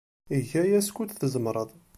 Eg aya skud tzemred.